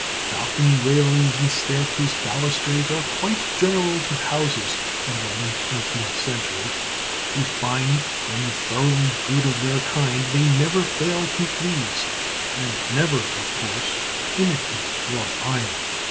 Balcony railings and staircase balustrades are quite general to houses of the late eighteenth century. Refined and thoroughly good of their kind, they never fail to please, and never, of course, imitate wrought iron.